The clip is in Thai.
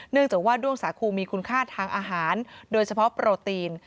จากว่าด้วงสาคูมีคุณค่าทางอาหารโดยเฉพาะโปรตีน